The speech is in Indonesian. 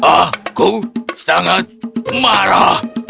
aku sangat marah